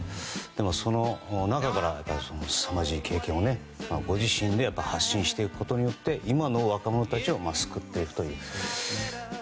その中からすさまじい経験をご自身でやっぱり発信していくことで今の若者たちを救っていくという。